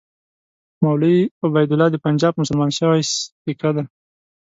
مولوي عبیدالله د پنجاب مسلمان شوی سیکه دی.